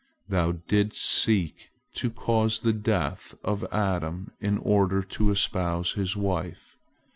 Thou didst seek to cause the death of Adam in order to espouse his wife.